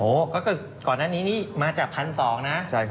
โหก็ก่อนด้านนี้นะครับ